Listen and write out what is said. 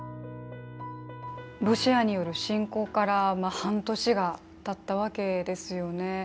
ロシアによる侵攻から半年がたったわけですよね。